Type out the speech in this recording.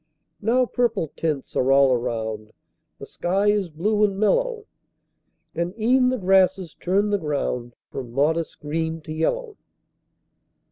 Now purple tints are all around; The sky is blue and mellow; And e'en the grasses turn the ground From modest green to yellow.